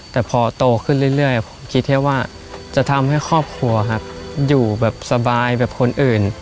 แต่พอโตขึ้นเรื่อยผมคิดแค่ว่าจะทำให้ครอบครัวครับอยู่แบบสบายแบบคนอื่น